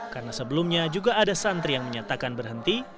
karena sebelumnya juga ada santri yang menyatakan berhenti